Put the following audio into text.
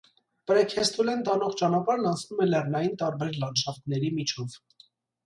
Պրեքեսթուլեն տանող ճանապարհն անցնում է լեռնային տարբեր լանդշաֆտների միջով։